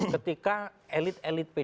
ketika elit elit pd berjuang